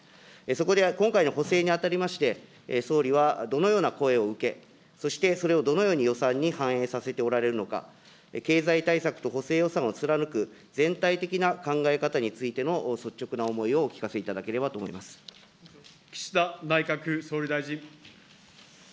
そこで、今回の補正にあたりまして、総理はどのような声を受け、そして、それをどのように予算に反映させておられるのか、経済対策と補正予算を貫く全体的な考え方についての率直な思いを岸田内閣総理大臣。